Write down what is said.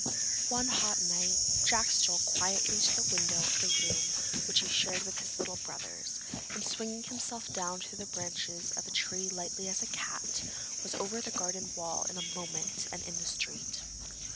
One hot night Jack stole quietly to the window of the room which he shared with his little brothers, and swinging himself down through the branches of a tree as lightly as a cat, was over the garden wall in a moment and in the street.